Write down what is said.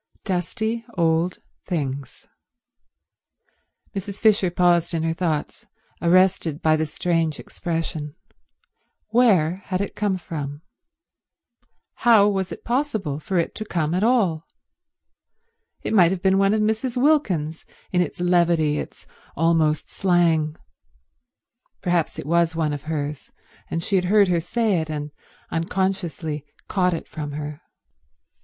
Dusty old things. Mrs. Fisher paused in her thoughts, arrested by the strange expression. Where had it come from? How was it possible for it to come at all? It might have been one of Mrs. Wilkins's, in its levity, its almost slang. Perhaps it was one of hers, and she had heard her say it and unconsciously caught it from her.